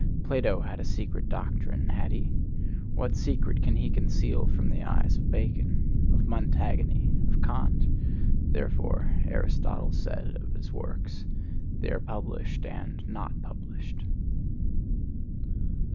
Plato had a secret doctrine, had he? What secret can he conceal from the eyes of Bacon? of Montaigne? of Kant? Therefore, Aristotle said of his works, "They are published and not published."